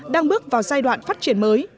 đang bước vào giai đoạn phát triển mới